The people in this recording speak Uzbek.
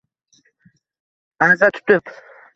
Aza tutib